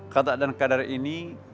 kadak dan kadar ini